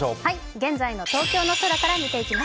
現在の東京の空から見ていきます。